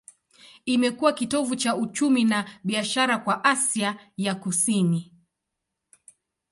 Imekuwa kitovu cha uchumi na biashara kwa Asia ya Kusini.